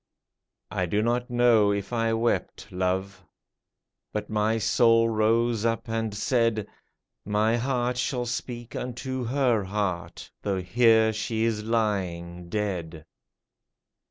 I do not know if I wept, love ; But my soul rose up and said —*' My heart shall speak unto her heartj Though here she is lying — dead